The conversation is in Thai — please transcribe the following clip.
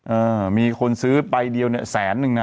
เออมีคนซื้อใบเดียวเนี่ยแสนนึงนะ